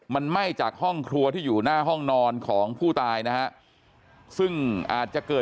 มันไหม้จากห้องครัวที่อยู่หน้าห้องนอนของผู้ตายนะฮะซึ่งอาจจะเกิด